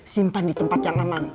simpan di tempat yang aman